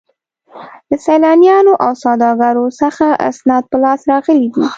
له سیلانیانو او سوداګرو څخه اسناد په لاس راغلي دي.